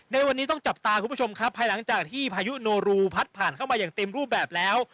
ในวันนี้ต้องจับตาคุณผู้ชมครับภายหลังจากที่พายุโนรูพัดผ่านเข้ามาอย่างเต็มรูปแบบแล้ว